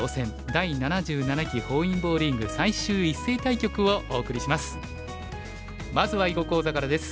第７７期本因坊リーグ最終一斉対局」をお送りします。